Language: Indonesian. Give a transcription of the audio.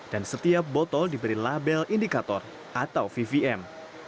dan setiap botol diberi label indikator atau vvm